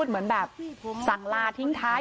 เชิงชู้สาวกับผอโรงเรียนคนนี้